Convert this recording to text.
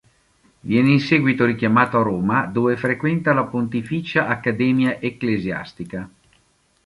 Viene in seguito richiamato a Roma dove frequenta la Pontificia Accademia Ecclesiastica.